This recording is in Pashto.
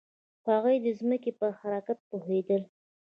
هغوی د ځمکې په حرکت پوهیدل.